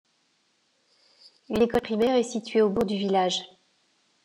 Une école primaire est situé au bourg du village.